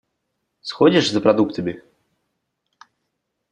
Сходишь за продуктами?